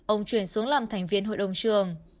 ông chuyển xuống làm thành viên hội đồng trường